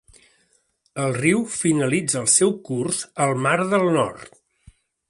El riu finalitza el seu curs al mar del Nord.